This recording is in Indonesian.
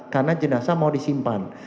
karena jenazah mau disimpan